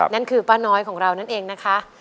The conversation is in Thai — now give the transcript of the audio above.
นั่นคือป้าน้อยของเรานั่นเองนะคะ